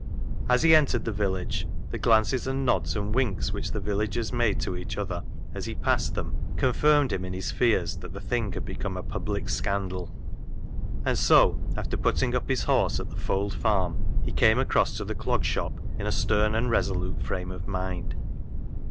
As he entered the village, the glances and nods and winks which the villagers made to each other as he passed them con firmed him in his fears that the thing had become a public scandal ; and so, after putting up his horse at the Fold farm, he came across to the Clog Shop in a stern and resolute frame of mind.